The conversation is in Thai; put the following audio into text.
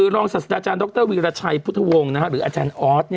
รองศาสตราจารย์ดรวีรชัยพุทธวงศ์หรืออาจารย์ออส